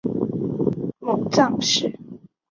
母臧氏。